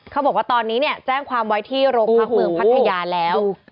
เขาบอกว่าตอนนี้เนี่ยแจ้งความไว้ที่โรงพักเมืองพัทยาแล้ว